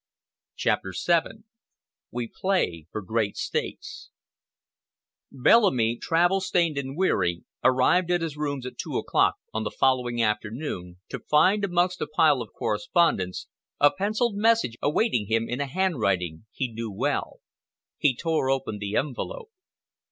CHAPTER VII "WE PLAY FOR GREAT STAKES" Bellamy, travel stained and weary, arrived at his rooms at two o'clock on the following afternoon to find amongst a pile of correspondence a penciled message awaiting him in a handwriting he knew well. He tore open the envelope.